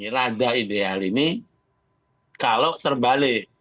rada ideal ini kalau terbalik